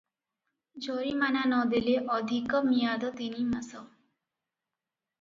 ଜରିମାନା ନ ଦେଲେ ଅଧିକ ମିଆଦ ତିନିମାସ ।'